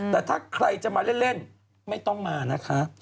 แต่ถ้าใครจะมาเล่นไม่ต้องมานะคะ